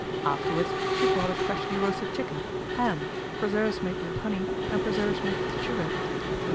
Afterwards she brought a freshly roasted chicken, ham, preserves made with honey, and preserves made with sugar.